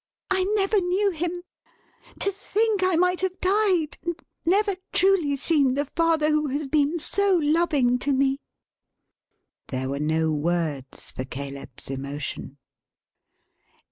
I never knew him! To think I might have died, and never truly seen the father, who has been so loving to me!" There were no words for Caleb's emotion.